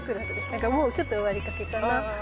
なんかもうちょっと終わりかけかな。